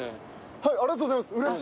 はいありがとうございますうれしい。